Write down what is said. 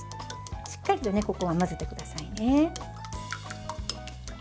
しっかりと混ぜてくださいね。